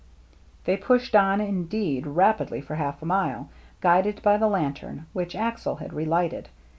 They pushed on, indeed, rapidly for half a mile, guided by the lantern, which Axel had relighted.